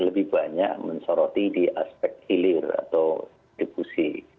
lebih banyak mensoroti di aspek hilir atau distribusi